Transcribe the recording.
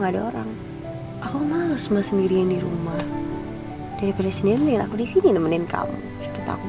aduh ren maafin mama yuk